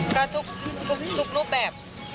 ก็ทุกรูปแบบ